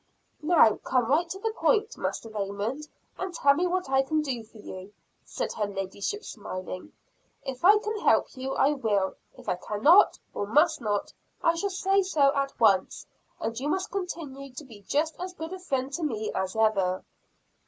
"Now, come right to the point, Master Raymond; and tell me what I can do for you," said her ladyship smiling. "If I can help you, I will; if I cannot, or must not, I shall say so at once and you must continue to be just as good a friend to me as ever."